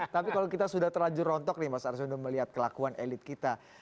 tapi kalau kita sudah terlanjur rontok nih mas arswendo melihat kelakuan elit kita